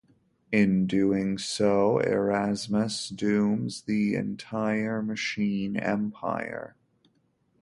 In doing so, Erasmus dooms the entire machine empire.